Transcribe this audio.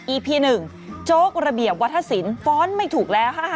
พี๑โจ๊กระเบียบวัฒนศิลป์ฟ้อนไม่ถูกแล้ว